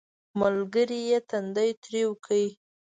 ملګري یې تندی ترېو کړ